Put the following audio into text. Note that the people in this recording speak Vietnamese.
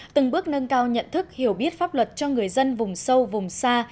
từng bước nâng cao nhận thức hiểu biết pháp luật cho người dân vùng sâu vùng xa